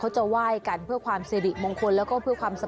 จะไหว้กันเพื่อความสิริมงคลแล้วก็เพื่อความ